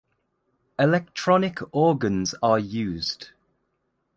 Electronic organs are used.